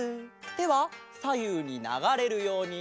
てはさゆうにながれるように。